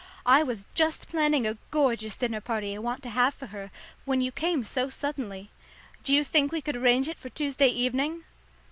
I was just planning a gorgeous dinner party I want to have for her when you came so suddenly. Do you think we could arrange it for Tuesday evening?"